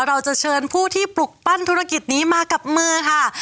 เราจะเชิญผู้ที่ปลุกปั้นธุรกิจนี้มากับมือค่ะ